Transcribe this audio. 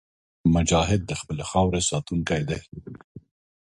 مجاهد د خپلې خاورې ساتونکی دی.